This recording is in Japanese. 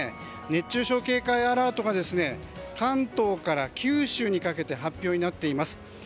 熱中症警戒アラートが関東から九州にかけて発表になっています。